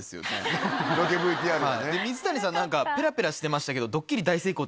水谷さん何かペラペラしてましたけど「ドッキリ大成功！」